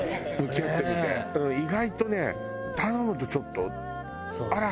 意外とね頼むとちょっとあら？